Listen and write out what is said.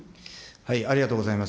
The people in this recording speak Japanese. ありがとうございます。